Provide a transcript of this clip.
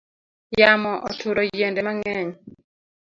Yamo oturo yiende mangeny